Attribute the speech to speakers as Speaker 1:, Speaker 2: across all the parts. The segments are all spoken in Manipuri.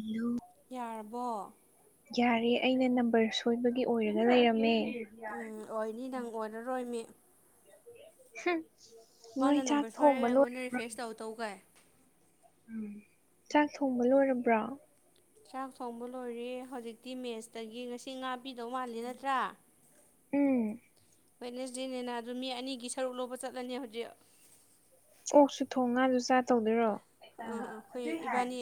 Speaker 1: ꯏꯌꯨ
Speaker 2: ꯌꯥꯔꯕꯣ
Speaker 1: ꯌꯥꯔꯦ ꯑꯩꯅ ꯅꯝꯕꯔ ꯁꯣꯏꯕꯒꯤ ꯑꯣꯏꯔꯒ ꯂꯩꯔꯝꯃꯦ
Speaker 2: ꯎꯝ ꯑꯣꯏꯅꯤ ꯅꯪ ꯑꯣꯏꯔꯔꯣꯏ ꯃꯤ
Speaker 1: ꯍꯨꯝ ꯅꯣꯏ
Speaker 2: ꯃꯥꯅ
Speaker 1: ꯆꯥꯛ
Speaker 2: ꯅꯝꯕꯔ ꯁꯣꯏꯔꯒ
Speaker 1: ꯊꯣꯡꯕ ꯂꯣꯏ
Speaker 2: ꯑꯩꯉꯣꯟꯗ ꯔꯤꯐ꯭ꯔꯦꯁ ꯇꯧ ꯇꯧꯒꯥꯏ
Speaker 1: ꯎꯝ ꯆꯥꯛ ꯊꯣꯡꯕ ꯂꯣꯏꯔꯕ꯭ꯔꯣ
Speaker 2: ꯆꯥꯛ ꯊꯣꯡꯕ ꯂꯣꯏꯔꯦ ꯍꯧꯖꯤꯛꯇꯤ ꯃꯦꯠꯁꯇꯒꯤ ꯉꯁꯤ ꯉꯥ ꯄꯤꯗꯧ ꯃꯥꯜꯂꯤ ꯅꯠꯇ꯭ꯔꯥ
Speaker 1: ꯎꯝ
Speaker 2: ꯋꯦꯠꯅꯁꯗꯦꯅꯦꯅ ꯑꯗꯨ ꯃꯤ ꯑꯅꯤꯒꯤ ꯁꯔꯨꯛ ꯂꯧꯕ ꯆꯠꯂꯅꯤ ꯍꯧꯖꯤꯛ
Speaker 1: ꯑꯣꯛꯁꯨ ꯊꯣꯡ ꯉꯥꯖꯨ ꯆꯥ ꯇꯧꯗꯣꯏꯔꯣ
Speaker 2: ꯑ ꯑ ꯈꯣꯏ ꯏꯕꯥꯅꯤ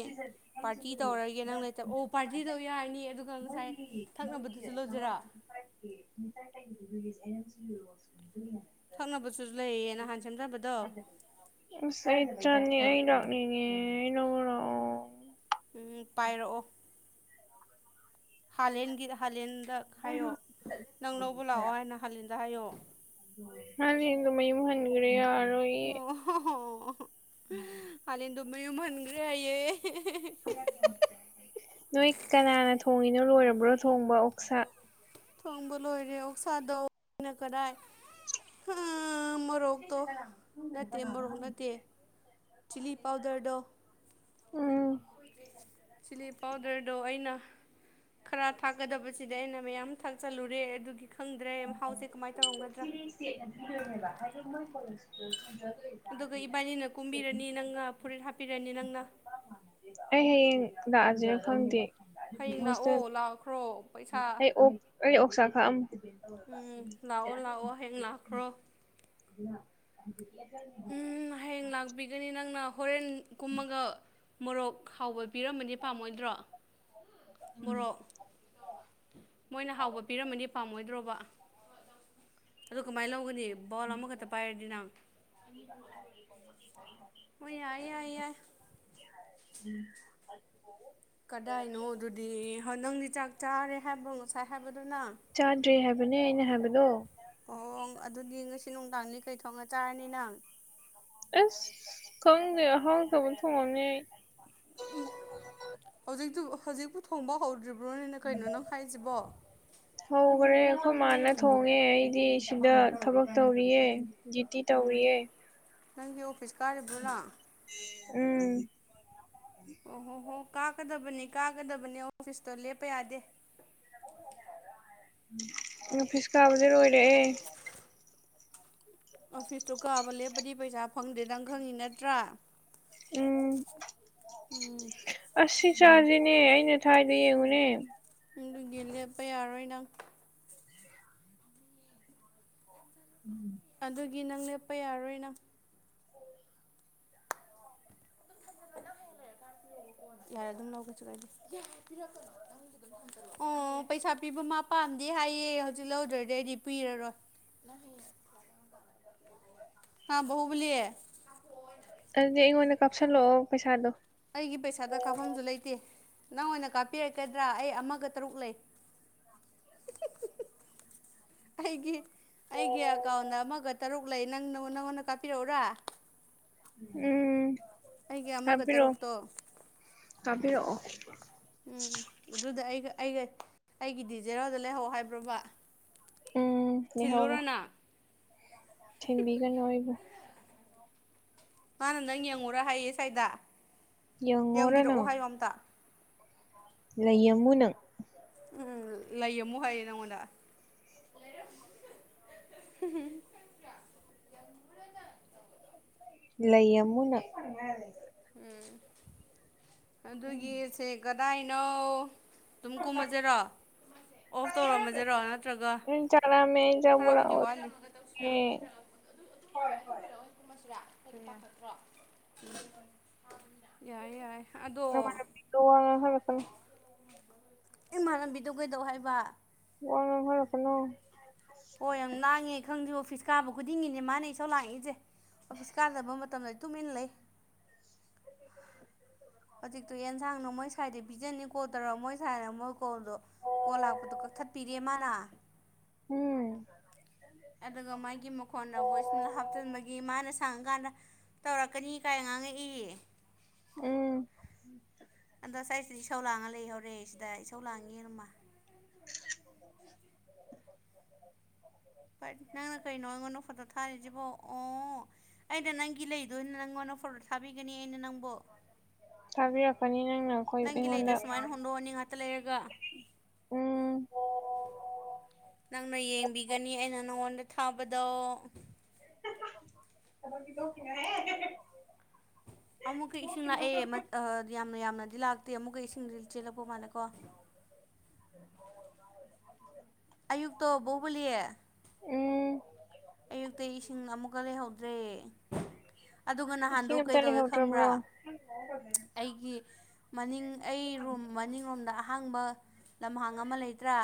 Speaker 2: ꯄꯥꯔꯇꯤ ꯇꯧꯔꯒꯦ ꯅꯪ ꯂꯩꯇ ꯑꯣ ꯄꯥꯔꯇꯤꯗꯧ ꯌꯥꯔꯅꯤ ꯑꯗꯨꯒ ꯉꯁꯥꯏ ꯊꯛꯅꯕꯗꯨꯖꯨ ꯂꯧꯖꯤꯔꯥ
Speaker 1: [unintelligible]
Speaker 2: ꯊꯛꯅꯕꯁꯨꯖ ꯂꯩꯌꯦ ꯅꯍꯥꯟ ꯁꯦꯝꯖꯕꯗꯣ
Speaker 1: ꯑꯁ ꯑꯩ ꯆꯠꯅꯤ ꯑꯩ ꯂꯥꯛꯅꯤꯡꯉꯦ ꯑꯩ ꯂꯧꯕ ꯂꯥꯛꯑꯣ
Speaker 2: ꯎꯝꯎꯝ ꯄꯥꯏꯔꯛꯑꯣ ꯍꯥꯂꯦꯟꯒꯤ ꯍꯥꯂꯦꯟꯗ ꯍꯥꯏꯌꯣ ꯅꯪ ꯂꯧꯕ ꯂꯥꯛꯑꯣ ꯍꯥꯏꯅ ꯍꯥꯂꯦꯟꯗ ꯍꯥꯏꯌꯣ
Speaker 1: ꯍꯥꯂꯦꯟꯗꯣ ꯃꯌꯨꯝ ꯍꯟꯒꯔꯦ ꯌꯥꯔꯔꯣꯏꯌꯦ
Speaker 2: ꯑꯣ ꯍꯣ ꯍꯣ ꯑꯣꯍꯣ ꯍꯂꯦꯟꯗꯣ ꯃꯌꯨꯝ ꯍꯟꯒ꯭ꯔꯦ ꯍꯥꯏꯌꯦ ꯍꯦ ꯍꯦ
Speaker 1: ꯅꯣꯏ ꯀꯅꯥꯅ ꯊꯣꯡꯉꯤꯅꯣ ꯂꯣꯏꯔꯕ꯭ꯔꯣ ꯊꯣꯡꯕ ꯑꯣꯛꯁꯥ
Speaker 2: ꯊꯣꯡꯕ ꯂꯣꯏꯔꯦ ꯑꯣꯛꯁꯥꯗꯣꯅ ꯀꯗꯥꯥꯏ ꯍ ꯃ ꯔꯣꯛꯇꯣ ꯅꯠꯇꯦ ꯃꯣꯔꯣꯛ ꯅꯠꯇꯦ ꯆꯤꯜꯂꯤ ꯄꯥꯎꯗꯔꯗꯣ
Speaker 1: ꯎꯝ
Speaker 2: ꯆꯤꯜꯂꯤ ꯄꯥꯎꯗꯔꯗꯣ ꯑꯩꯅ ꯈꯔ ꯊꯥꯛꯀꯗꯕꯖꯤꯗ ꯑꯩꯅ ꯃꯌꯥꯝ ꯊꯥꯛꯆꯜꯂꯨꯔꯦ ꯑꯗꯨꯒꯤ ꯈꯪꯗ꯭ꯔꯦ ꯃꯍꯥꯎꯖꯦ ꯀꯃꯥꯏ ꯇꯧꯔꯝꯒꯗ꯭ꯔ
Speaker 1: ꯁ꯭ꯇꯦꯠꯅ ꯄꯤꯗꯣꯏꯅꯦꯕ ꯍꯥꯏꯗꯤ ꯃꯣꯏ ꯀꯣꯂꯦꯖ ꯀꯤꯗꯣ ꯁꯦꯟꯇ꯭ꯔꯦꯜꯒꯩ
Speaker 2: ꯑꯗꯨꯒ ꯏꯕꯥꯅꯤꯅ ꯀꯨꯝꯕꯤꯔꯅꯤ ꯅꯪꯒ ꯐꯨꯔꯤꯠ ꯍꯥꯞꯄꯤꯔꯅꯤ ꯅꯪꯅ
Speaker 1: ꯑꯩ ꯍꯌꯦꯡ ꯂꯥꯛꯑꯖꯤꯔ ꯈꯪꯗꯦ
Speaker 2: ꯍꯌꯦꯡ
Speaker 1: ꯍꯣꯁꯇꯦꯜ
Speaker 2: ꯂꯥꯛꯑꯣ ꯂꯥꯛꯈ꯭ꯔꯣ ꯄꯩꯁꯥ
Speaker 1: ꯑꯩ ꯑꯣꯛ ꯑꯩ ꯑꯣꯛꯁꯥ ꯈꯥꯛꯑꯝꯃꯨ
Speaker 2: ꯎꯝ ꯂꯥꯛꯑꯣ ꯂꯥꯛꯑꯣ ꯍꯌꯦꯡ ꯂꯥꯛꯈ꯭ꯔꯣ
Speaker 1: [unintelligible]
Speaker 2: ꯎꯝ ꯍꯌꯦꯡ ꯂꯥꯛꯄꯤꯒꯅꯤ ꯅꯪꯅ ꯍꯣꯔꯦꯟ ꯀꯨꯝꯃꯒ ꯃꯣꯔꯣꯛ ꯈꯥꯎꯕ ꯄꯤꯔꯝꯃꯅꯤ ꯄꯥꯝꯃꯣꯏꯗ꯭ꯔꯣ ꯃꯣꯔꯣꯛ ꯃꯣꯏꯅ ꯍꯥꯎꯕ ꯄꯤꯔꯝꯃꯗꯤ ꯄꯥꯝꯃꯣꯏꯗ꯭ꯔꯣꯕ ꯑꯗꯨ ꯀꯃꯥꯏ ꯂꯧꯒꯅꯤ ꯕꯥꯎꯣꯜ ꯑꯃꯈꯇ ꯄꯥꯏꯔꯗꯤ ꯅꯪ ꯍꯣꯏ ꯌꯥꯏ ꯌꯥꯏ ꯌꯥꯏ
Speaker 1: [unintelligible]
Speaker 2: ꯀꯗꯥꯏꯅꯣ ꯗꯨꯗꯤ ꯍꯣ ꯅꯪꯗꯤ ꯆꯥꯛ ꯆꯥꯔꯦ ꯍꯥꯏꯕ꯭ꯔꯣ ꯉꯁꯥꯏ ꯍꯥꯏꯕꯗꯣ ꯅꯪ
Speaker 1: ꯆꯥꯗ꯭ꯔꯤ ꯍꯥꯏꯕ ꯅꯦ ꯑꯩꯅ ꯍꯥꯏꯕꯗꯣ
Speaker 2: ꯑꯣꯡ ꯑꯗꯨꯗꯤ ꯉꯁꯤ ꯅꯨꯡꯗꯥꯡꯗꯤ ꯀꯩ ꯊꯣꯡꯉ ꯆꯥꯔꯅꯤ ꯅꯪ
Speaker 1: ꯑꯁ ꯈꯪꯗꯦ ꯑꯍꯥꯎꯇꯕ ꯊꯣꯡꯉꯝꯅꯤ ꯑꯩ
Speaker 2: ꯍꯧꯖꯤꯛꯇꯨ ꯍꯧꯖꯤꯛꯄꯨ ꯊꯣꯡꯕ ꯍꯧꯗ꯭ꯔꯤꯕ꯭ꯔꯣꯅꯦ ꯀꯩꯅꯣ ꯅꯪ ꯍꯥꯏꯖꯤꯕꯣ
Speaker 1: ꯍꯧꯒꯔꯦ ꯑꯩꯈꯣꯏ ꯃꯥꯅ ꯊꯣꯡꯉꯦ ꯑꯩꯗꯤ ꯁꯤꯗ ꯊꯕꯛ ꯇꯧꯔꯤꯌꯦ ꯗꯨꯇꯤ ꯇꯧꯔꯤꯌꯦ
Speaker 2: ꯅꯪꯗꯤ ꯑꯣꯐꯤꯁ ꯀꯥꯔꯤꯕ꯭ꯔꯣ ꯅꯪ
Speaker 1: ꯎꯝ
Speaker 2: ꯑꯣ ꯍꯣ ꯍꯣ ꯀꯥꯒꯗꯕꯅꯤ ꯀꯥꯒꯗꯕꯅꯤ ꯑꯣꯐꯤꯁꯇꯣ ꯂꯦꯞꯄ ꯌꯥꯗꯦ
Speaker 1: ꯑꯣꯐꯤꯁ ꯀꯥꯕꯗꯤ ꯂꯣꯏꯔꯦꯑꯦ
Speaker 2: ꯑꯣꯐꯤꯁꯇꯨ ꯀꯥꯕ ꯂꯦꯞꯄꯗꯤ ꯄꯩꯁꯥ ꯐꯪꯗꯦ ꯅꯪ ꯈꯪꯉꯤ ꯅꯠꯇ꯭ꯔꯥ
Speaker 1: ꯎꯝ
Speaker 2: ꯎꯝ
Speaker 1: ꯑꯁ ꯁꯤ ꯆꯥꯖꯤꯅꯦ ꯑꯩꯅ ꯊꯥꯏꯗꯣ ꯌꯦꯡꯉꯨꯅꯦ
Speaker 2: ꯑꯗꯨꯒꯤ ꯂꯦꯞꯄ ꯌꯥꯔꯣꯏ ꯅꯪ
Speaker 1: [unintelligible]
Speaker 2: ꯑꯗꯨꯒꯤ ꯅꯪ ꯂꯦꯞꯄ ꯌꯥꯔꯣꯏ ꯅꯪ ꯄꯤꯌꯣꯕ ꯀꯣꯟꯅ ꯌꯥꯔꯦ ꯑꯗꯨꯝ ꯂꯧꯒꯦ ꯆꯠꯂꯣ ꯑꯩꯗꯤ ꯌꯥꯔꯦ ꯄꯤꯔꯛꯀꯅꯣ ꯅꯪ ꯎꯝ ꯄꯩꯁꯥ ꯄꯤꯕ ꯃꯥ ꯄꯥꯝꯗꯦ ꯍꯥꯏꯌꯦ ꯍꯧꯖꯤꯛ ꯂꯧꯗ꯭ꯔꯗꯤ ꯑꯩꯗꯤ ꯄꯤꯔꯔꯣꯏ ꯅꯪ ꯍꯌꯦꯡ ꯍꯥꯥ ꯕꯍꯨꯕꯂꯤ
Speaker 1: ꯑꯗꯨꯗꯤ ꯑꯩꯉꯣꯟꯗ ꯀꯥꯞꯁꯜꯂꯛꯑꯣ ꯄꯩꯁꯥꯗꯣ
Speaker 2: ꯑꯩꯒꯤ ꯄꯩꯁꯥꯗ ꯀꯥꯐꯝꯁꯨ ꯂꯩꯇꯦ ꯅꯪ ꯑꯣꯏꯅ ꯀꯥꯞꯄꯤꯔꯛꯀꯗ꯭ꯔꯥ ꯑꯩ ꯑꯃꯒ ꯇꯔꯨꯛ ꯂꯩ ꯑꯩꯒꯤ ꯑꯩꯒꯤ ꯑꯦꯀꯥꯎꯟꯗ ꯑꯃꯒ ꯇꯔꯨꯛ ꯂꯩ ꯅꯪ ꯅꯪꯉꯣꯟ ꯅꯪꯉꯣꯟꯗ ꯀꯥꯞꯄꯤꯔꯛꯎꯔꯥ
Speaker 1: ꯎꯝ
Speaker 2: ꯑꯩꯒꯤ ꯑꯃꯒ ꯇꯔꯨꯛꯇꯣ
Speaker 1: ꯀꯥꯞꯄꯤꯔꯛꯑꯣ
Speaker 2: ꯎꯝ ꯑꯗꯨꯗ ꯑꯩꯒ ꯑꯩꯒ ꯑꯩꯒꯤꯗꯤ ꯖꯦꯔꯣꯗ ꯂꯩꯍꯧ ꯍꯥꯏꯕ꯭ꯔꯣꯕ
Speaker 1: ꯎꯝ ꯂꯩꯍꯧꯔꯣ
Speaker 2: ꯊꯤꯜꯂꯨꯔꯥ ꯅꯪ
Speaker 1: ꯊꯤꯟꯕꯤꯒꯅꯨ ꯑꯩꯕꯨ
Speaker 2: ꯃꯥꯅ ꯅꯪ ꯌꯦꯡꯉꯨꯔꯥ ꯍꯥꯏꯌꯦ ꯁꯥꯏꯗ
Speaker 1: ꯌꯦꯡꯉꯣꯔ
Speaker 2: ꯌꯦꯡꯕꯤꯔꯛꯑꯣ
Speaker 1: ꯅꯪ
Speaker 2: ꯍꯥꯏꯌꯣ ꯑꯝꯇ
Speaker 1: ꯂꯩꯌꯝꯃꯨ ꯅꯪ
Speaker 2: ꯎꯝ ꯂꯩꯌꯝꯃꯨ ꯍꯥꯏꯌꯦ ꯅꯪꯉꯣꯟꯗ
Speaker 1: ꯂꯩꯌꯝꯃꯨ ꯅꯪ
Speaker 2: ꯎꯝ ꯑꯗꯨꯒꯤꯁꯦ ꯀꯗꯥꯏꯅꯣ ꯑꯗꯨꯝ ꯀꯨꯝꯃꯖꯦꯔꯣ ꯑꯣꯐ ꯇꯧꯔꯝꯃꯖꯦꯔꯣ ꯅꯠꯇ꯭ꯔꯒ
Speaker 1: ꯅꯪ ꯆꯥꯛ ꯂꯥꯝꯃꯦ ꯑꯩ ꯆꯥꯛ
Speaker 2: ꯈꯔꯕꯨꯗꯤ
Speaker 1: ꯄꯨꯔꯛꯑꯣꯒꯦ
Speaker 2: ꯋꯥꯠꯂꯤ ꯑꯗꯨ ꯑꯗꯨ ꯉꯥꯏꯔ ꯑꯗꯨ ꯂꯣꯏꯔꯒ ꯑꯣꯏ ꯀꯨꯝꯃꯁꯤꯔꯥ ꯄꯥꯈꯠꯇ꯭ꯔꯣ
Speaker 1: [inaudible]
Speaker 2: ꯌꯥꯏ ꯌꯥꯏ ꯑꯗꯣ
Speaker 1: [unintelligible] ꯋꯥ ꯉꯥꯡꯍꯜꯂꯛꯀꯅꯨ
Speaker 2: ꯏꯃꯥꯟꯅꯕꯤꯗꯣ ꯀꯩꯗꯧ ꯍꯥꯏꯕ
Speaker 1: ꯋꯥ ꯉꯥꯡꯍꯜꯂꯛꯀꯅꯣ
Speaker 2: ꯑꯣ ꯌꯥꯝ ꯂꯥꯡꯉꯦ ꯈꯪꯗꯦ ꯑꯣꯐꯤꯁ ꯀꯥꯕ ꯈꯨꯗꯤꯡꯒꯤꯅꯦ ꯃꯥꯅꯦ ꯏꯁꯧ ꯂꯥꯡꯏꯁꯦ ꯑꯣꯐꯤꯁ ꯀꯥꯗꯕ ꯃꯇꯝꯗꯗꯤ ꯇꯨꯃꯤꯟ ꯂꯩ
Speaker 1: [inaudible]
Speaker 2: ꯍꯧꯖꯤꯛꯇꯣ ꯌꯦꯟꯁꯥꯡꯗꯣ ꯃꯣꯏ ꯁꯥꯏꯗꯤ ꯄꯤꯖꯅꯤ ꯀꯣꯜ ꯇꯧꯔꯛ ꯃꯣꯏ ꯁꯥꯏꯅ ꯑꯃꯨꯛ ꯀꯣꯜꯗꯣ ꯀꯣꯜ ꯂꯥꯛꯄꯗꯨ ꯀꯛꯊꯠꯄꯤꯔꯦ ꯃꯥꯅ
Speaker 1: [unintelligible]
Speaker 2: ꯑꯗꯨꯒ ꯃꯥꯒꯤ ꯃꯈꯣꯟꯗ ꯕꯣꯏꯁ ꯑꯃ ꯍꯥꯞꯆꯤꯟꯕꯒꯤ ꯃꯥꯅ ꯁꯪꯀꯥꯟꯗ ꯇꯧꯔꯛꯀꯅꯤ ꯀꯥꯏ ꯉꯥꯡꯉꯛꯏ
Speaker 1: ꯎꯝ
Speaker 2: ꯑꯗꯣ ꯉꯁꯥꯏꯁꯤꯗꯤ ꯏꯁꯧ ꯂꯥꯡꯉ ꯂꯩꯍꯧꯔꯦ ꯁꯤꯗ ꯏꯁꯧ ꯂꯥꯡꯉꯦꯔ ꯃꯥ
Speaker 1: [inaudible]
Speaker 2: ꯅꯪꯅ ꯀꯩꯅꯣ ꯑꯩꯉꯣꯟꯗ ꯐꯣꯇꯣ ꯊꯥꯔꯤꯁꯤꯕꯣ ꯑꯣ ꯑꯩꯅ ꯅꯪꯒꯤ ꯂꯩꯗꯨꯑꯣꯏꯅ ꯅꯪꯉꯣꯟꯗ ꯐꯣꯇꯣ ꯊꯥꯕꯤꯒꯅꯤ ꯑꯩꯅ ꯅꯪꯕꯨ
Speaker 1: ꯊꯥꯕꯤ ꯔꯛꯀꯅꯤ ꯅꯪꯅ ꯑꯩꯈꯣꯏ
Speaker 2: ꯅꯪꯒꯤ ꯂꯩꯗꯣ
Speaker 1: ꯑꯩꯉꯣꯟꯗ
Speaker 2: ꯁꯨꯃꯥꯏꯅ ꯍꯣꯟꯗꯣꯛꯑꯅꯤ ꯉꯥꯛꯇ ꯂꯩꯔꯒ
Speaker 1: ꯎꯝ
Speaker 2: ꯅꯪꯅ ꯌꯦꯡꯕꯤꯒꯅꯤ ꯑꯩꯅ ꯅꯉꯣꯟꯗ ꯊꯥꯕꯗꯣ
Speaker 1: [unintelligible]
Speaker 2: ꯑꯃꯨꯛꯀ ꯏꯁꯤꯡ ꯂꯥꯛꯑꯦ ꯑꯥ ꯌꯥꯝꯅ ꯌꯥꯝꯅꯗꯤ ꯂꯥꯛꯇꯦ ꯑꯃꯨꯛꯀ ꯏꯁꯤꯡꯗꯤ ꯆꯦꯜꯂꯛꯄ ꯃꯥꯜꯂꯦ ꯀꯣ
Speaker 1: [unintelligible]
Speaker 2: ꯑꯌꯨꯛꯇꯣ ꯕꯣꯕꯨꯂꯤ
Speaker 1: ꯎꯝ
Speaker 2: ꯑꯌꯨꯛꯇ ꯏꯁꯤꯡ ꯑꯃꯨꯛꯀ ꯂꯩꯍꯧꯗ꯭ꯔꯦ ꯑꯗꯨꯒ ꯅꯍꯥꯟꯗꯣ
Speaker 1: ꯏꯁꯤꯡ ꯑꯝꯇ
Speaker 2: ꯀꯩꯗꯧꯋꯦ ꯈꯪꯕ꯭ꯔꯥ
Speaker 1: ꯂꯩꯍꯧꯗ꯭ꯔꯕ꯭ꯔꯣ
Speaker 2: ꯑꯩꯒꯤ ꯃꯅꯤꯡ ꯑꯩ ꯔꯨꯝ ꯃꯅꯤꯡꯔꯣꯝꯗ ꯑꯍꯥꯡꯕ ꯂꯝꯍꯥꯡ ꯑꯃ ꯂꯩꯇ꯭ꯔꯥ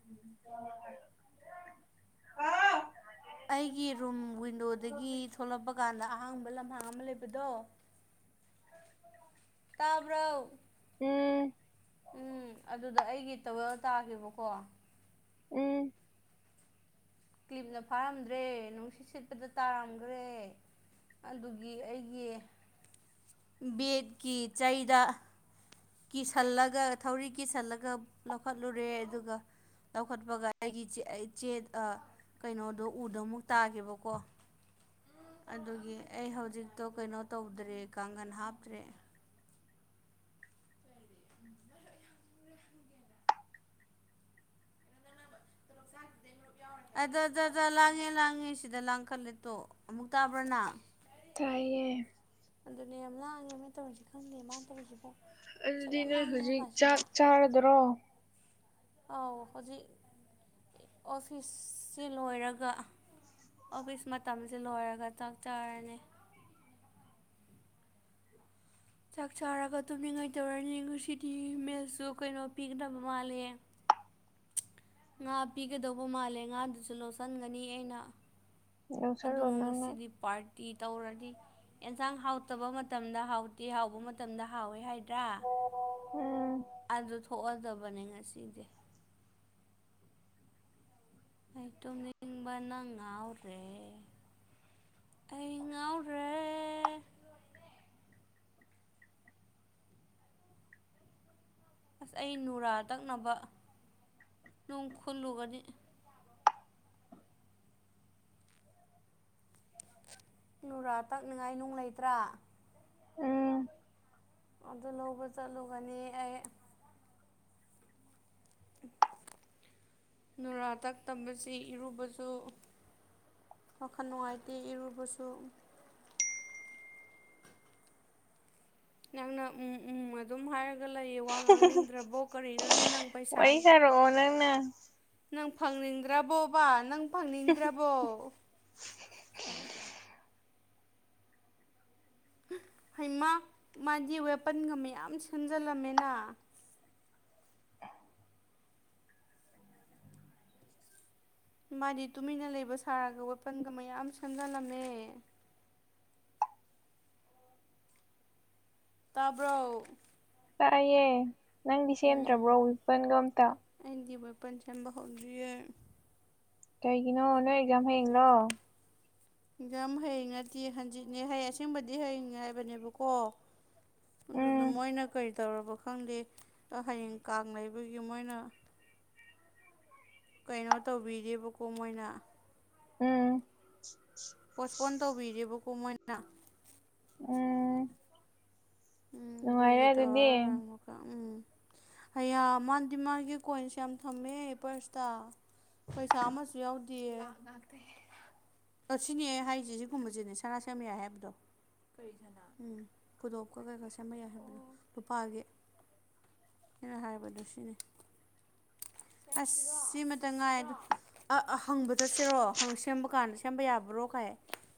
Speaker 1: [unintelligible]
Speaker 2: ꯑꯩꯒꯤ ꯔꯨꯝ ꯋꯤꯟꯗꯣꯗꯒꯤ ꯊꯣꯛꯂꯛꯄ ꯀꯥꯟꯗ ꯑꯍꯥꯡꯕ ꯂꯝꯍꯥꯡ ꯑꯃ ꯂꯩꯕꯗꯣ
Speaker 1: [unintelligible]
Speaker 2: ꯇꯥꯕ꯭ꯔꯣ
Speaker 1: ꯎꯝ
Speaker 2: ꯎꯝ ꯑꯗꯨꯗ ꯑꯩꯒꯤ ꯇꯥꯎꯋꯦꯜ ꯇꯥꯈꯤꯕꯀꯣ
Speaker 1: ꯎꯝ
Speaker 2: ꯀ꯭ꯂꯤꯞꯅ ꯐꯥꯔꯝꯗ꯭ꯔꯦ ꯅꯨꯡꯁꯤꯠ ꯁꯤꯠꯄꯗ ꯇꯥꯔꯝꯒ꯭ꯔꯦ ꯑꯗꯨꯒꯤ ꯑꯩꯒꯤ ꯕꯦꯠꯀꯤ ꯆꯩꯗ ꯀꯤꯁꯜꯂꯒ ꯊꯧꯔꯤ ꯀꯤꯁꯜꯂꯒ ꯂꯧꯈꯠꯂꯨꯔꯦ ꯑꯗꯨꯒ ꯂꯧꯈꯠꯄꯒ ꯑꯩꯒꯤ ꯑꯩ ꯆꯦ ꯑ ꯀꯩꯅꯣꯗꯣ ꯎꯗꯃꯨꯛ ꯇꯥꯈꯤꯕꯀꯣ ꯑꯗꯨꯒꯤ ꯑꯩ ꯍꯧꯖꯤꯛꯇꯣ ꯀꯩꯅꯣ ꯇꯧꯗ꯭ꯔꯦ ꯀꯥꯡꯒꯟ ꯍꯥꯞꯇ꯭ꯔꯦ
Speaker 1: [inaudible]
Speaker 2: ꯑꯗꯨ ꯗ ꯗ ꯗ ꯂꯥꯡꯉꯦ ꯂꯥꯡꯉꯦ ꯁꯤꯗ ꯂꯥꯡꯈꯠꯂꯦꯇꯣ ꯑꯃꯨꯛ ꯇꯥꯕ꯭ꯔ ꯅꯪ
Speaker 1: ꯇꯥꯏꯌꯦ
Speaker 2: ꯑꯗꯨꯅꯦ ꯌꯥꯝ ꯂꯥꯡꯉꯦ ꯃꯦ ꯇꯧꯔꯤꯁꯤ ꯈꯪꯗꯦ ꯃꯥꯅ ꯇꯧꯔꯤꯁꯤꯕꯣ ꯁꯨꯛ ꯌꯥꯝ ꯂꯥꯡꯉꯦꯕ ꯁꯤꯗ
Speaker 1: ꯍꯥꯏꯔꯗꯔꯣ
Speaker 2: ꯑꯥꯎ ꯍꯧꯖꯤꯛ ꯑꯣꯐꯤꯁꯁꯤ ꯂꯣꯏꯔꯒ ꯑꯣꯐꯤꯁ ꯃꯇꯝꯁꯦ ꯂꯣꯏꯔꯒ ꯆꯥꯛ ꯆꯔꯅꯤ ꯆꯥꯛ ꯆꯥꯔꯒ ꯇꯨꯝꯅꯤꯡꯉꯥꯏ ꯇꯧꯔꯅꯤ ꯉꯁꯤꯗꯤ ꯃꯤꯜꯁꯨ ꯀꯩꯅꯣ ꯄꯤꯒꯗꯕ ꯃꯥꯂꯦ ꯉꯥ ꯄꯤꯒꯗꯧꯕ ꯃꯥꯜꯂꯦ ꯉꯥꯗꯨꯁꯨ ꯂꯧꯁꯤꯟꯒꯅꯤ ꯑꯩꯅ
Speaker 1: ꯂꯧꯁꯜꯂꯣ
Speaker 2: ꯑꯗꯨꯒ
Speaker 1: ꯅꯪꯅ
Speaker 2: ꯉꯁꯤꯗꯤ ꯄꯥꯔꯇꯤ ꯇꯧꯔꯗꯤ ꯑꯦꯟꯁꯥꯡ ꯍꯥꯎꯇꯕ ꯃꯇꯝꯗ ꯍꯥꯎꯇꯦ ꯍꯥꯎꯕ ꯃꯇꯝꯗ ꯍꯥꯎꯋꯦ ꯍꯥꯏ ꯗꯔ
Speaker 1: ꯎꯝ
Speaker 2: ꯑꯗꯨ ꯊꯣꯛꯑꯗꯕꯅꯦ ꯉꯁꯤꯗꯤ ꯑꯩ ꯇꯨꯝꯅꯤꯡꯕꯅ ꯉꯥꯎꯔꯦ ꯑꯩ ꯉꯥꯎꯔꯦ ꯑꯁ ꯑꯩ ꯅꯨꯔꯥ ꯇꯛꯅꯕ ꯅꯨꯡ ꯈꯨꯜꯂꯨꯒꯅꯤ ꯅꯨꯔꯥ ꯇꯛꯅꯤꯡꯉꯥꯏ ꯅꯨꯡ ꯂꯩꯇ꯭ꯔꯥ
Speaker 1: ꯎꯝ
Speaker 2: ꯑꯗꯨ ꯂꯧꯕ ꯆꯠꯂꯨꯒꯅꯤ ꯑꯩ ꯅꯨꯔꯥ ꯇꯛꯇꯕꯁꯤ ꯏꯔꯨꯕꯁꯨ ꯋꯥꯈꯜ ꯅꯨꯡꯉꯥꯏꯇꯦ ꯏꯔꯨꯕꯁꯨ ꯅꯪꯅ ꯎꯝ ꯎꯝ ꯑꯗꯨꯝ ꯍꯥꯏꯔꯒ ꯂꯩꯌꯦ ꯋꯥ ꯉꯥꯡꯅꯤꯡꯗ꯭ꯔꯕꯣ ꯀꯔꯤꯅꯣꯅꯦ ꯅꯪ ꯄꯩꯁꯥ
Speaker 1: ꯄꯤꯊꯔꯛꯑꯣ ꯅꯪꯅ
Speaker 2: ꯅꯪ ꯐꯪꯅꯤꯡꯗ꯭ꯔꯕꯣꯕꯥ ꯅꯪ ꯐꯪꯅꯤꯡꯗ꯭ꯔꯕꯣ ꯍꯩꯃ ꯃꯥꯗꯤ ꯋꯦꯄꯟꯒ ꯃꯌꯥꯝ ꯁꯦꯝꯖꯜꯂꯝꯃꯦꯅ ꯃꯥꯗꯤ ꯇꯨꯃꯤꯟꯅ ꯂꯩꯕ ꯁꯥꯔꯒ ꯋꯦꯄꯟꯒ ꯃꯌꯥꯝ ꯁꯦꯝꯖꯜꯂꯝꯃꯦ ꯇꯥꯕ꯭ꯔꯣ
Speaker 1: ꯇꯥꯏꯌꯦ ꯅꯪꯗꯤ
Speaker 2: ꯎꯝ
Speaker 1: ꯁꯦꯝꯗ꯭ꯔꯕ꯭ꯔꯣ ꯋꯦꯄꯟꯒ ꯑꯃꯇ
Speaker 2: ꯑꯩꯗꯤ ꯋꯦꯄꯟ ꯁꯦꯝꯕ ꯍꯧꯗ꯭ꯔꯤꯌꯦ
Speaker 1: ꯀꯩꯒꯤꯅꯣ ꯅꯣꯏ ꯑꯦꯛꯖꯥꯝ ꯍꯌꯦꯡꯂꯣ
Speaker 2: ꯑꯦꯛꯖꯥꯝ ꯍꯌꯦꯡ ꯅꯠꯇꯦ ꯍꯟꯖꯤꯠꯅꯦ ꯍꯩ ꯑꯁꯦꯡꯕꯗꯤ ꯍꯌꯦꯡꯅꯦ ꯍꯥꯏꯕꯅꯦꯕꯀꯣ ꯑꯗꯨꯗ
Speaker 1: ꯎꯝ
Speaker 2: ꯃꯣꯏꯅ ꯀꯩ ꯇꯧꯔꯕ ꯈꯪꯗꯦ ꯍꯌꯦꯡ ꯀꯥꯡ ꯂꯩꯕꯒꯤ ꯃꯣꯏꯅ
Speaker 1: [inaudible]
Speaker 2: ꯀꯩꯅꯣ ꯇꯧꯕꯤꯗꯦꯕꯀꯣ ꯃꯣꯏꯅ
Speaker 1: ꯎꯝ
Speaker 2: ꯄꯣꯁꯄꯣꯟ ꯇꯧꯕꯤꯔꯦꯕꯀꯣ ꯃꯣꯏꯅ
Speaker 1: ꯎꯝ
Speaker 2: ꯎꯝ
Speaker 1: ꯅꯨꯡꯉꯥꯏꯔꯦ
Speaker 2: ꯑꯗꯨꯒꯤ
Speaker 1: ꯑꯗꯨꯗꯤ
Speaker 2: ꯇꯧꯔꯔꯣꯏ ꯑꯃꯨꯛꯀ ꯎꯝ ꯑꯩꯌꯥ ꯃꯥꯗꯤ ꯃꯥꯒꯤ ꯀꯣꯏꯟꯁ ꯌꯥꯝ ꯊꯝꯃꯦ ꯄ꯭ꯔꯁꯇ ꯄꯩꯁꯥ ꯑꯃꯁꯨ ꯌꯥꯎꯗꯤꯌꯦ ꯑꯁꯤꯅꯦ ꯍꯥꯏꯁꯦ ꯑꯁꯤꯒꯨꯝꯕꯁꯤꯅꯦ ꯁꯅꯥ ꯁꯦꯝꯕ ꯌꯥꯏ ꯍꯥꯏꯕꯗꯣ ꯀꯩ ꯁꯅꯥ ꯎꯝ ꯈꯨꯗꯣꯞꯀ ꯀꯩꯒ ꯁꯦꯝꯕ ꯌꯥꯏ ꯍꯥꯏꯕꯗꯣ ꯂꯨꯄꯥꯒꯤ ꯑꯩꯅ ꯍꯥꯏꯕꯗꯨ ꯁꯤꯅꯦ ꯑꯁ ꯁꯤꯃꯇꯪ ꯉꯥꯏꯔꯦꯗꯣ ꯑꯥ ꯑꯥ ꯍꯪꯕ ꯆꯠꯁꯤꯔꯣ ꯁꯦꯝꯕ ꯀꯥꯟꯗ ꯁꯦꯝꯕ ꯌꯥꯕ꯭ꯔꯣ ꯀꯥꯏ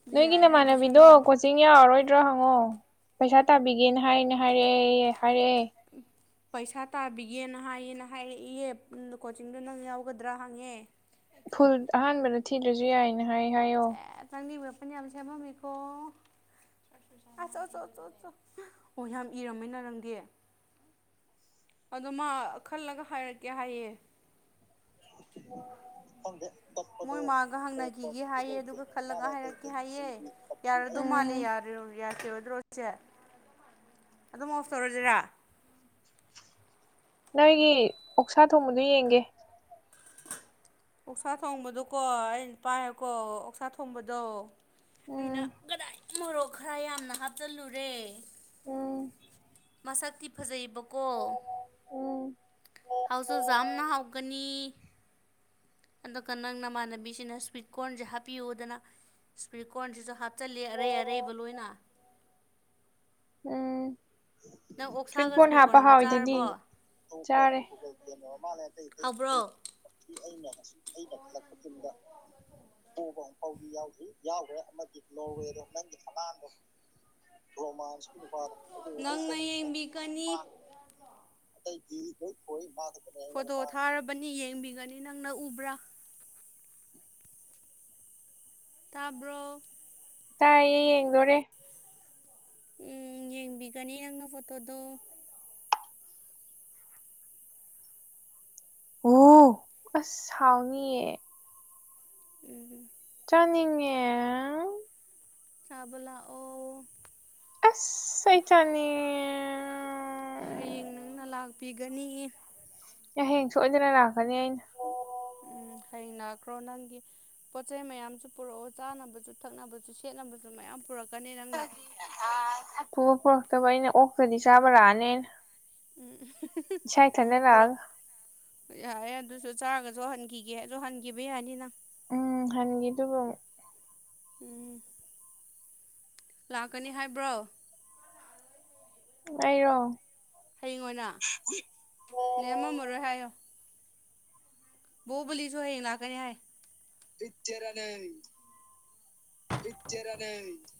Speaker 2: ꯑꯗꯨ
Speaker 1: ꯅꯣꯏꯒꯤ
Speaker 2: ꯌꯥꯏ ꯍꯥꯏꯔꯗꯤ
Speaker 1: ꯅꯃꯥꯟꯅꯕꯤꯗꯣ
Speaker 2: ꯁꯦꯝꯕ ꯌꯥꯏ
Speaker 1: ꯀꯣꯆꯤꯡ ꯀꯣꯆꯤꯡ ꯌꯥꯎꯔꯔꯣꯏꯗ꯭ꯔ ꯍꯪꯉꯣ ꯄꯩꯁꯥ ꯇꯥꯕꯤꯒꯦꯅ ꯍꯥꯏꯅ ꯍꯥꯏꯔꯛꯑꯦꯌꯦ ꯍꯥꯏꯔꯛꯑꯦ
Speaker 2: ꯄꯩꯁꯥ ꯇꯥꯕꯤꯒꯦꯅ ꯍꯥꯏꯌꯦꯅ ꯍꯥꯏꯔꯛꯑꯦꯌꯦ ꯄꯨꯟꯅ ꯀꯣꯆꯤꯡꯗꯣ ꯅꯪ ꯌꯥꯎꯒꯗ꯭ꯔ ꯍꯪꯉꯦ
Speaker 1: ꯐꯨꯜ ꯑꯍꯥꯟꯕꯗ ꯊꯤꯗ꯭ꯔꯁꯨ ꯌꯥꯏꯅ ꯍꯥꯏ ꯍꯥꯏꯌꯣ
Speaker 2: ꯁꯦ ꯅꯪꯗꯤ ꯋꯦꯄꯟ ꯌꯥꯝ ꯁꯦꯝꯃꯝꯃꯤꯀꯣ ꯑꯁ ꯆꯣ ꯆꯣ ꯆꯣ ꯆꯣ ꯑꯣ ꯌꯥꯝ ꯏꯔꯝꯃꯤꯅ ꯅꯪꯗꯤ ꯑꯗꯣ ꯃꯥ ꯈꯜꯂꯒ ꯍꯥꯏꯔꯛꯀꯦ ꯍꯥꯏꯌꯦ
Speaker 1: ꯈꯪꯗꯦ
Speaker 2: ꯃꯣꯏ ꯃꯥꯒ ꯍꯪꯅꯈꯤꯒꯦ ꯍꯥꯏꯌꯦ ꯑꯗꯨꯒ ꯈꯜꯂꯒ ꯍꯥꯏꯔꯛꯀꯦ ꯍꯥꯏꯌꯦ ꯌꯥꯔꯗꯨ ꯃꯥꯜꯂꯦ
Speaker 1: ꯎꯝ
Speaker 2: ꯌꯥꯗ꯭ꯔꯣ ꯌꯥꯈꯤꯔꯣꯏꯗ꯭ꯔꯣ ꯆꯦ ꯑꯗꯨꯝ ꯑꯣꯐ ꯇꯧꯔꯖꯤꯔ
Speaker 1: ꯅꯣꯏꯒꯤ ꯑꯣꯛꯁꯥ ꯊꯣꯡꯕꯗꯨ ꯌꯦꯡꯒꯦ
Speaker 2: ꯑꯣꯛꯁꯥ ꯊꯣꯡꯕꯗꯣꯀꯣ ꯑꯩ ꯅꯨꯄꯥꯅꯀꯣ ꯑꯣꯛꯁꯥ ꯊꯣꯡꯕꯗꯣ ꯑꯩꯅ
Speaker 1: ꯎꯝ
Speaker 2: ꯀꯗꯥꯏ ꯃꯣꯔꯣꯛ ꯈꯔ ꯌꯥꯝꯅ ꯍꯥꯞꯆꯜꯂꯨꯔꯦ
Speaker 1: ꯎꯝ
Speaker 2: ꯃꯥꯁꯛꯇꯤ ꯐꯖꯩꯌꯦꯕ ꯀꯣ
Speaker 1: ꯎꯝ
Speaker 2: ꯍꯥꯎꯁꯨ ꯖꯥꯝꯅ ꯍꯥꯎꯒꯅꯤ ꯑꯗꯨꯒ ꯅꯪ ꯅꯃꯥꯟꯅꯕꯤꯁꯤꯅ ꯁ꯭ꯋꯤꯠ ꯀꯣꯔꯟꯁꯦ ꯍꯥꯞꯄꯤꯌꯣꯗꯅꯥ ꯁꯋ꯭ꯤꯠ ꯀꯣꯔꯟꯁꯤꯁꯨ ꯍꯥꯞꯆꯜꯂꯦ ꯑꯔꯩ ꯑꯔꯩꯕ ꯂꯣꯏꯅ
Speaker 1: ꯎꯝ
Speaker 2: ꯅꯪ
Speaker 1: ꯁ꯭ꯋꯤꯠ
Speaker 2: ꯑꯣꯛꯁꯥꯒ
Speaker 1: ꯀꯣꯔꯟ ꯍꯥꯞꯄ
Speaker 2: ꯀꯣꯔꯟꯒ
Speaker 1: ꯍꯥꯎꯋꯤꯗꯨꯗꯤ
Speaker 2: ꯆꯥꯔꯕꯣ
Speaker 1: ꯆꯥꯔꯦ ꯀꯅꯣ ꯃꯥꯜꯂꯦ ꯑꯇꯩ ꯇꯩ
Speaker 2: ꯍꯥꯎꯕ꯭ꯔꯣ
Speaker 1: ꯑꯩ ꯑꯩꯅ ꯑꯁꯨꯛ ꯑꯩꯅ ꯈꯜꯂꯛꯄ ꯇꯤꯝꯗ ꯄꯣꯕ ꯑꯝꯐꯥꯎꯗꯤ ꯌꯥꯎꯗ꯭ꯔꯤ ꯌꯥꯎꯒꯈ꯭ꯔꯦ ꯑꯃꯗꯤ ꯅꯣꯔꯋꯦꯗꯣ ꯅꯪꯒꯤ ꯑꯉꯥꯡꯗꯣ ꯔꯣꯃꯥꯟꯁꯀꯤ ꯅꯨꯄꯥꯗꯣ ꯑꯗꯨꯗ ꯂꯣꯏ
Speaker 2: ꯅꯪꯅ
Speaker 1: ꯁꯣꯏꯍꯟꯕꯒꯤ
Speaker 2: ꯌꯦꯡꯕꯤꯒꯅꯤ
Speaker 1: ꯃꯥꯡꯈ꯭ꯔꯦ ꯑꯇꯩꯗꯤ ꯂꯣꯏ ꯊꯣꯏ [unintelligible]
Speaker 2: ꯐꯣꯇꯣ ꯊꯥꯔꯕꯅꯤ ꯌꯦꯡꯕꯤꯒꯅꯤ ꯅꯪꯅ ꯎꯕ꯭ꯔ ꯇꯥꯕ꯭ꯔꯣ
Speaker 1: ꯇꯥꯏꯌꯦ ꯌꯦꯡꯗꯣꯔꯦ
Speaker 2: ꯎꯝ ꯌꯦꯡꯕꯤꯒꯅꯤ ꯅꯪꯅ ꯐꯣꯇꯣꯗꯣ
Speaker 1: ꯑꯣ ꯑꯁ ꯍꯥꯎꯅꯤꯌꯦ
Speaker 2: ꯎꯝ
Speaker 1: ꯆꯥꯅꯤꯡꯉꯦ
Speaker 2: ꯆꯥꯕ ꯂꯥꯛꯑꯣ
Speaker 1: ꯑꯁ ꯑꯩ ꯆꯥꯅꯤꯡꯉꯦ
Speaker 2: ꯍꯌꯦꯡ ꯅꯪꯅ ꯂꯥꯛꯄꯤꯒꯅꯤ
Speaker 1: ꯑꯩ ꯍꯌꯦꯡ ꯁꯣꯏꯗꯅ ꯂꯥꯛꯀꯅꯤ ꯑꯩꯅ
Speaker 2: ꯎꯝ ꯍꯌꯦꯡ ꯂꯥꯛꯈ꯭ꯔꯣ ꯅꯪꯒꯤ ꯄꯣꯠ ꯆꯩ ꯃꯌꯥꯝꯁꯨ ꯄꯨꯔꯛꯑꯣ ꯆꯥꯅꯕꯁꯨ ꯊꯛꯅꯕꯁꯨ ꯁꯦꯠꯅꯕꯁꯨ ꯃꯌꯥꯝ ꯄꯨꯔꯛꯀꯅꯤ ꯅꯪꯅ
Speaker 1: ꯄꯨ ꯄꯨꯔꯛꯇꯕ ꯑꯩꯅ ꯑꯣꯛꯇꯗꯤ ꯆꯥꯕ ꯂꯥꯛꯑꯅꯤ ꯑꯩꯅ
Speaker 2: ꯎꯝ
Speaker 1: ꯏꯁꯥ ꯏꯊꯟꯗ
Speaker 2: ꯄꯨꯔꯛ
Speaker 1: ꯂꯥꯛꯑꯒ
Speaker 2: ꯌꯥꯔꯦ ꯑꯗꯨꯁꯨ ꯆꯥꯔꯒꯁꯨ ꯍꯟꯈꯤꯒꯦꯁꯨ ꯍꯟꯈꯤꯕ ꯌꯥꯅꯤ ꯅꯪ
Speaker 1: ꯎꯝ ꯍꯟꯒꯤꯗꯨꯕ ꯑꯃꯨꯛ
Speaker 2: ꯎꯝ ꯂꯥꯛꯀꯅꯤ ꯍꯥꯏꯕ꯭ꯔꯣ
Speaker 1: ꯑꯩꯔꯣ
Speaker 2: ꯍꯌꯦꯡ ꯑꯣꯏꯅꯥ ꯂꯦꯝꯃꯝꯃꯔꯣꯏ ꯍꯥꯏꯌꯣ ꯕꯣꯍꯨꯕꯂꯤꯖꯨ ꯍꯌꯦꯡ ꯂꯥꯛꯀꯅꯤ ꯍꯥꯏ
Speaker 1: [unintelligible]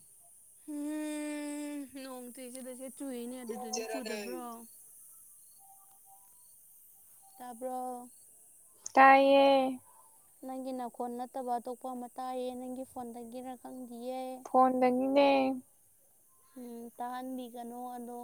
Speaker 2: ꯎꯝ ꯅꯣꯡ ꯆꯨꯏ ꯁꯤꯗꯗꯤ ꯆꯨꯏꯅꯦ ꯑꯗꯨꯗꯗꯤ ꯆꯨꯗꯕ꯭ꯔꯣ ꯇꯥꯕ꯭ꯔꯣ
Speaker 1: ꯇꯥꯏꯌꯦ
Speaker 2: ꯅꯪꯒꯤ ꯅꯥꯈꯣꯟ ꯅꯠꯇꯕ ꯑꯇꯣꯞꯄ ꯑꯃ ꯇꯥꯏꯌꯦ ꯅꯪꯒꯤ ꯐꯣꯟꯗꯒꯤꯔ ꯈꯪꯗꯤꯌꯦ
Speaker 1: ꯐꯣꯟꯗꯒꯤꯅꯦ
Speaker 2: ꯎꯝ ꯇꯥꯍꯟꯕꯤꯒꯅꯣ ꯑꯗꯣ